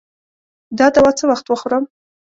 دا دوا څه وخت وخورم؟